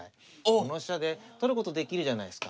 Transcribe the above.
この飛車で取ることできるじゃないですか。